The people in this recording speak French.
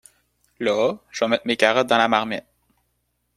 Là !… j’vas mettre mes carottes dans la marmite.